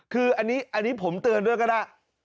คืออันนี้ผมเตือนด้วยก็ได้